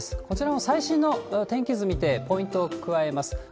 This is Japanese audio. こちらの最新の天気図見て、ポイントを加えます。